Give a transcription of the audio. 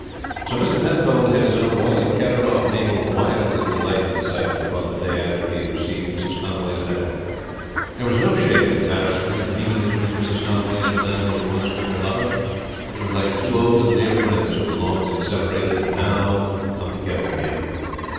So Mr. Penfold had his own way, and carried off Mabel wild with delight and excitement upon the day after he had received Mrs. Conway's letter. There was no shade of embarrassment in the meeting between Mrs. Conway and the man who had once been her lover. It was like two old and dear friends who had long been separated and now come together again.